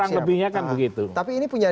kurang lebihnya kan begitu tapi ini punya